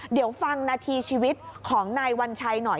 เดี๋ยวฟังนาทีชีวิตของนายวัญชัยหน่อย